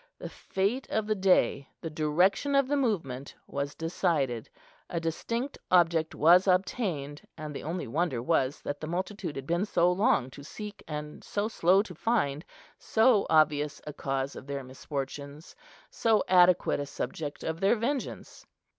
The fate of the day, the direction of the movement, was decided; a distinct object was obtained, and the only wonder was that the multitude had been so long to seek and so slow to find so obvious a cause of their misfortunes, so adequate a subject of their vengeance.